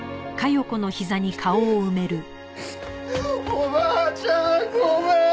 おばあちゃんごめん！